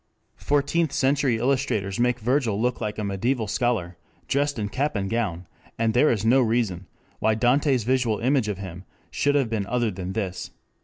Fourteenth Century illustrators make Virgil look like a mediaeval scholar, dressed in cap and gown, and there is no reason why Dante's visual image of him should have been other than this."